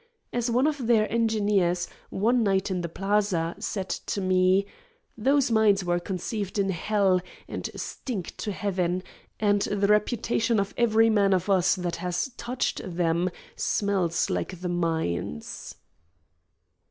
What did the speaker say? As one of their engineers, one night in the Plaza, said to me: "Those mines were conceived in hell, and stink to heaven, and the reputation of every man of us that has touched them smells like the mines."